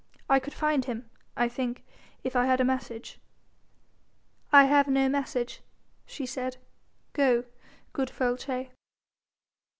"I could find him, I think, if I had a message." "I have no message," she said; "go, good Folces."